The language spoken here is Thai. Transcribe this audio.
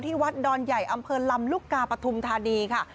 วัดดอนใหญ่อำเภอลำลูกกาปฐุมธานีค่ะ